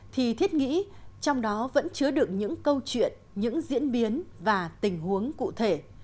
thì thiết nghĩ trong đó vẫn chứa được những câu chuyện những diễn biến và tình huống cụ thể